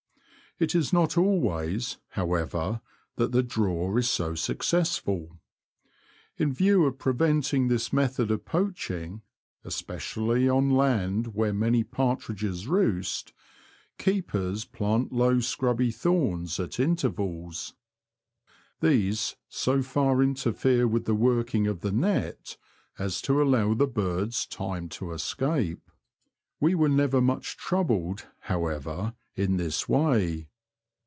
It is not always, however, that the draw is so successful. In view of preventing this method of poaching, especially on land where many partridges roost, keepers plant low scrubbv thorns at intervals. These so far 50 The Confessions of a T^oacher. interfere with the, working of the net as to allow the birds time to escape. We were never much troubled, however, in this way.